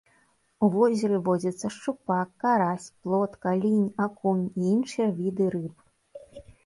У возеры водзяцца шчупак, карась, плотка, лінь, акунь і іншыя віды рыб.